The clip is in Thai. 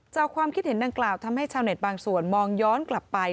ความคิดเห็นดังกล่าวทำให้ชาวเน็ตบางส่วนมองย้อนกลับไป